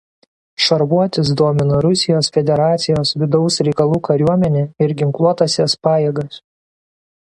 Šarvuotis domina Rusijos Federacijos Vidaus reikalų kariuomenę ir Ginkluotąsias pajėgas.